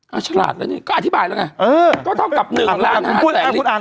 เอออ่ะฉลาดแล้วนี่ก็อธิบายแล้วไงเออก็เท่ากับหนึ่งล้านห้าแสนลิตร